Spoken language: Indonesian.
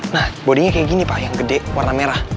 nah bodinya kayak gini pak yang gede warna merah